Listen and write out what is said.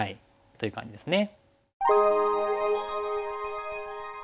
という感じですね。